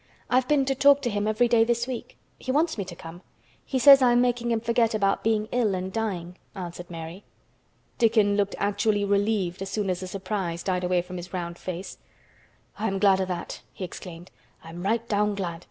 I have been to talk to him every day this week. He wants me to come. He says I'm making him forget about being ill and dying," answered Mary. Dickon looked actually relieved as soon as the surprise died away from his round face. "I am glad o' that," he exclaimed. "I'm right down glad.